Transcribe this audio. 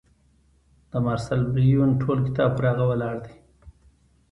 د مارسل بریون ټول کتاب پر هغه ولاړ دی.